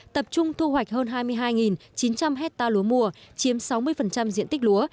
tập trung thu hoạch hơn hai mươi hai chín trăm linh hectare lúa mùa chiếm sáu mươi diện tích lúa